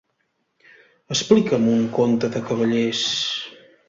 Explica'm un conte de cavallers.